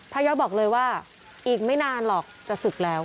ยอดบอกเลยว่าอีกไม่นานหรอกจะศึกแล้ว